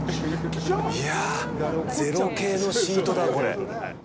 いやぁ、０系のシートだ、これ！